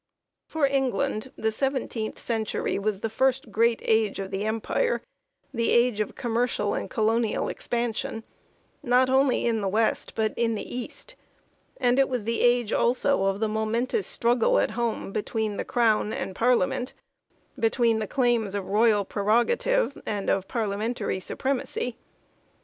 For England the seventeenth century was the first great age of the Empire the age of commercial and colonial expansion not only in the West, but in the East ; and it was the age also of the momentous struggle at home between the Crown and Parliament between the claims of royal prerogative and of Par liamentary supremacy.